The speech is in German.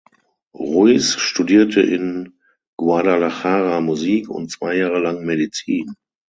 Ruiz studierte in Guadalajara Musik und zwei Jahre lang Medizin.